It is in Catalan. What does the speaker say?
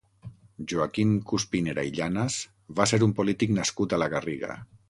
Joaquim Cuspinera i Llanas va ser un polític nascut a la Garriga.